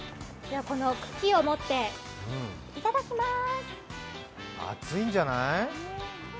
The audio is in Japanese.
茎を持って、いただきまーす。